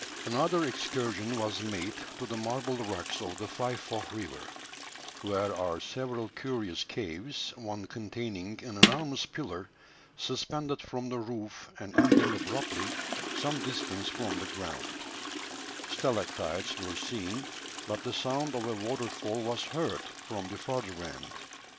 Another excursion was made to the marble rocks of the Faifoh River, where are several curious caves, one containing an enormous pillar suspended from the roof and ending abruptly some distance from the ground; stalactites were seen, but the sound of a water fall was heard from the further end.